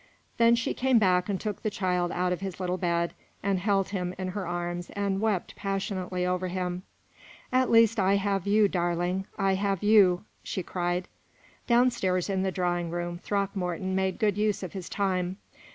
Then she came back and took the child out of his little bed, and held him in her arms and wept passionately over him. "At least I have you, darling; I have you!" she cried. Down stairs, in the drawing room, Throckmorton made good use of his time.